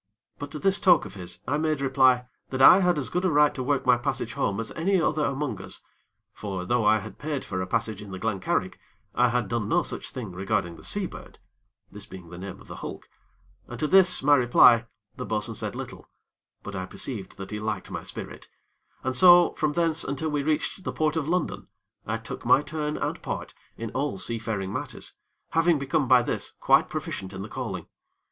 But to this talk of his, I made reply that I had as good a right to work my passage home as any other among us; for though I had paid for a passage in the Glen Carrig, I had done no such thing regarding the Seabird this being the name of the hulk and to this, my reply, the bo'sun said little; but I perceived that he liked my spirit, and so from thence until we reached the Port of London, I took my turn and part in all seafaring matters, having become by this quite proficient in the calling.